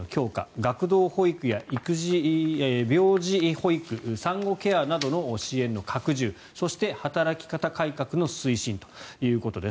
学童保育や病児保育産後ケアなどの支援の拡充そして、働き方改革の推進ということです。